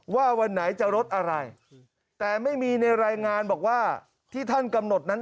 วันไหนจะลดอะไรแต่ไม่มีในรายงานบอกว่าที่ท่านกำหนดนั้น